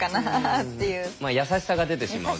優しさが出てしまうと。